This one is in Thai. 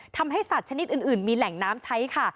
ทำให้สัตว์ชนิดอื่นมีแหล่งน้ำใช้ค่ะ